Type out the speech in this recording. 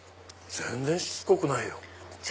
全然しつこくない。